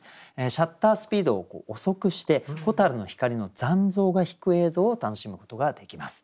シャッタースピードを遅くして蛍の光の残像が引く映像を楽しむことができます。